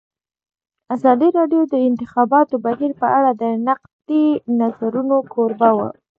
ازادي راډیو د د انتخاباتو بهیر په اړه د نقدي نظرونو کوربه وه.